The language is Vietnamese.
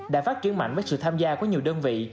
đã phát triển mạnh với sự tham gia của nhiều đơn vị